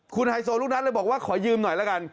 คุณไฮโซลูกนัดเลยบอกว่าขอยืมหน่อยละกัน